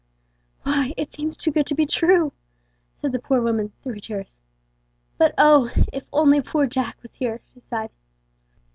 "Why, it seems too good to be true," said the poor woman, through her tears. "But oh! if only poor Jack was here!" she sighed.